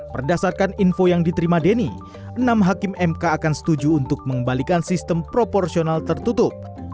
berdasarkan info yang diterima deni enam hakim mk akan setuju untuk mengembalikan sistem proporsional tertutup